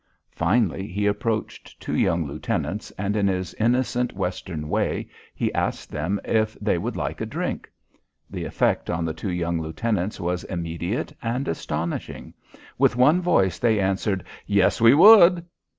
Finally he approached two young lieutenants, and in his innocent Western way he asked them if they would like a drink. The effect on the two young lieutenants was immediate and astonishing. With one voice they answered, "Yes, we would."